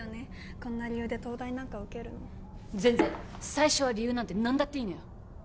こんな理由で東大なんか受けるの全然最初は理由なんて何だっていいのよ